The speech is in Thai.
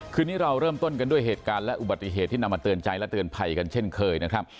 คืนนี้เราเริ่มต้นกันด้วยเหตุการณ์และอุบัติเหตุที่นำมาเตือนใจและเตือนภัยกันเช่นเคยนะครับ